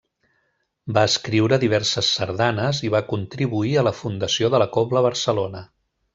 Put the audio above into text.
Va escriure diverses sardanes i va contribuir a la fundació de la Cobla Barcelona.